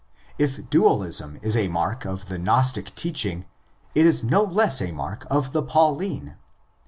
If dualism is a mark of the Gnostic teaching, it is no less a mark of the Pauline.